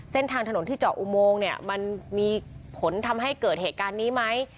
เส้นทางถนนที่เจาะอุโมงเนี่ยมันมีผลทำให้เกิดเหตุการณ์นี้ไหม